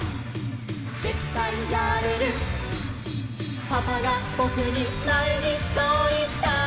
「ぜったいやれる」「パパがぼくにまえにそういった」